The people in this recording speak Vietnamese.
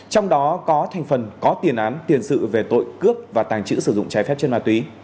trong đó có thành phần có tiền án tiền sự về tội cướp và tàng trữ sử dụng trái phép trên ma túy